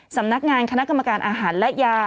สำนักงานคณะกรรมการอาหารและยา